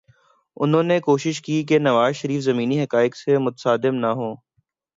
انہوں نے کوشش کی کہ نواز شریف زمینی حقائق سے متصادم نہ ہوں۔